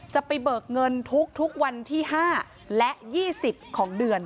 ไปเบิกเงินทุกวันที่๕และ๒๐ของเดือน